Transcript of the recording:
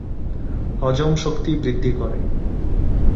হজম শক্তি বৃদ্ধি করে।